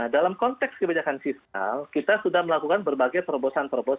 dalam konteks kebijakan fiskal kita sudah melakukan berbagai terobosan terobosan